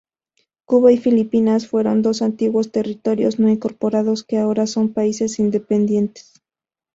Cuba y Filipinas fueron dos antiguos territorios no incorporados que ahora son países independientes.